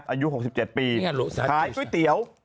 อายุ๖๗ปีขายก๋วยเตี๋ยว